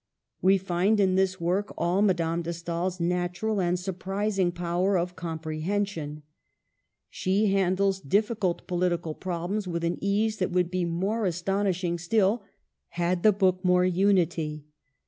We find in this work all Madame de Stael's natural and surprising power of compre hension. She handles difficult political problems with an ease that would be more astonishing still, had the book more unity.